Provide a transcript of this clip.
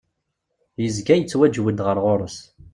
Yezga yettaǧew-d ɣer ɣur-s.